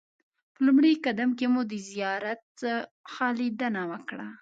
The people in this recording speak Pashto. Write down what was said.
په لومړي قدم کې مو د زیارت څخه لیدنه وکړه.